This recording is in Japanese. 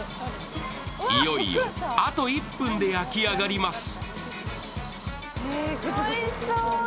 いよいよあと１分で焼き上がります。